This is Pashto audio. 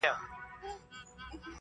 د څه ووايم سرې تبې نيولی پروت دی~